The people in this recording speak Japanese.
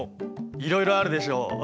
いろいろあるでしょ？